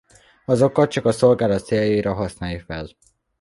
Azokat csak a szolgálat céljaira használja fel.